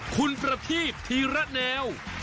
คุณประทีพธีระแนว